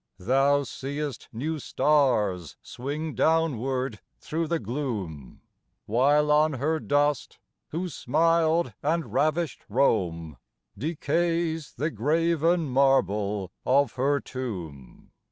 Thou seest new stars swing downward through the gloom, While on her dust, who smiled and ravished Rome, Decays the graven marble of her tomb.